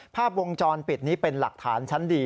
ภาพวงจรปิดนี้เป็นหลักฐานชั้นดี